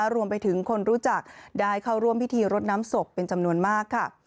รวมไปถึงคนรู้จักได้เข้าร่วมพิธีรดน้ำศพเป็นจำนวนมากค่ะ